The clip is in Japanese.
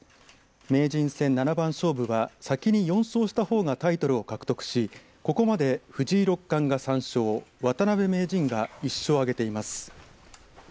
名人戦七番勝負は先に４勝したほうがタイトルを獲得しここまで藤井六冠が３勝渡辺名人が１勝を挙げています。